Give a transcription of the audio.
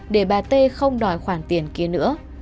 để bà tê không đòi khoản tiền kia nữa